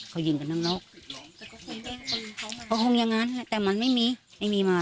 เขายิงกับนั่งก็คงอย่างงั้นแต่มันไม่มีไม่มีมา